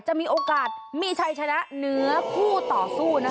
จะมีโอกาสมีชัยชนะเหนือคู่ต่อสู้นะคะ